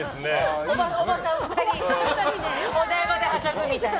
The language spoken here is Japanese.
おばさん２人でお台場ではしゃぐみたいな。